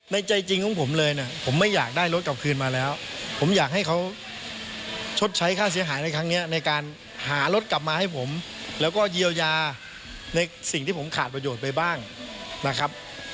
ใจจริงของผมเลยนะผมไม่อยากได้รถกลับคืนมาแล้วผมอยากให้เขาชดใช้ค่าเสียหายในครั้งนี้ในการหารถกลับมาให้ผมแล้วก็เยียวยาในสิ่งที่ผมขาดประโยชน์ไปบ้างนะครับ